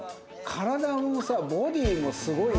体もさボディーもすごいよね。